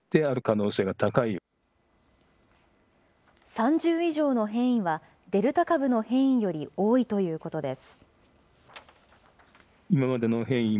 ３０以上の変異は、デルタ株の変異より多いということです。